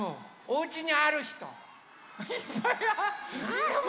おうちにあるひと？